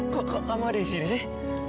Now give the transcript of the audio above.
kok kok kamu ada di sini sih